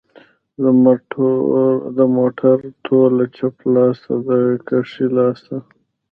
د موټر توله چپ لاس ته ده که ښي لاس ته